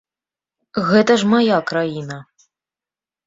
Гэта ж мая краіна.